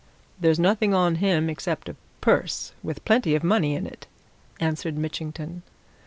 "There's nothing on him except a purse, with plenty of money in it," answered Mitchington.